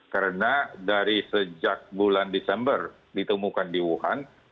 karena dari sejak bulan desember ditemukan di wuhan